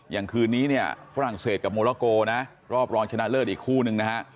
อย่างคืนนี้เนี่ยฝรั่งเศสกับโมลาโกนะรอบรองชนะเลิศอีกคู่นึงนะฮะ